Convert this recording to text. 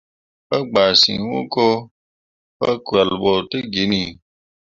Pa gbaa ciŋ hũko, bakyole ɓo ne giini.